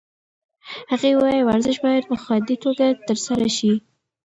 هغې وویل ورزش باید په خوندي توګه ترسره شي.